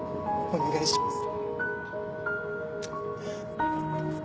お願いします。